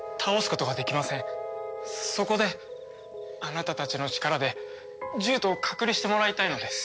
そこであなたたちの力で獣人を隔離してもらいたいのです。